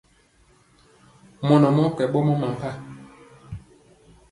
Mɔnɔ mɔɔ kɛ ɓɔmɔ mampa.